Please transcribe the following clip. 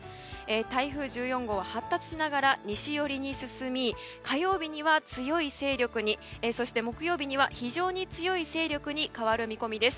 台風１４号は発達しながら西寄りに進み火曜日には強い勢力にそして、木曜日には非常に強い勢力に変わる見込みです。